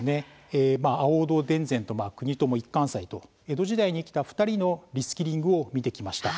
亜欧堂田善と国友一貫斎と江戸時代に生きた２人のリスキリングを見てきました。